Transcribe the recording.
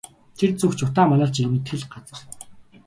Тэр зүг ч утаа манарч мэдэх л газар.